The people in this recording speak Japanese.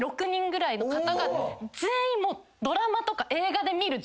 全員。